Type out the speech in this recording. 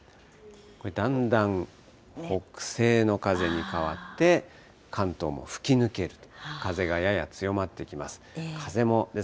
だんだん北西の風に変わって、関東も吹き抜けると、風がやや強まってきます。